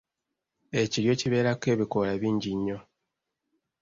Ekiryo kibeerako ebikoola bingi nnyo.